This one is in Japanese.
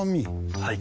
はい。